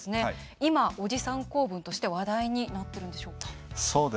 今、おじさん構文として話題になってるんでしょうか？